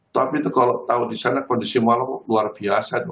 tapi itu kalau tahu di sana kondisi malam luar biasa